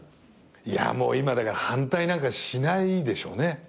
いやもう今だから反対なんかしないでしょうね。